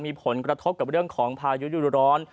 มีผลกระทบกับเรื่องของพายุดูร้อน